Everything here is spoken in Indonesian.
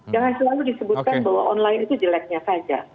jangan selalu disebutkan bahwa online itu jeleknya saja